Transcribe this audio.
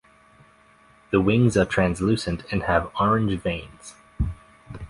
The wings are translucent and have orange veins.